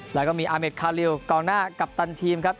แล้วก็มีอาเมดคาริวกองหน้ากัปตันทีมครับ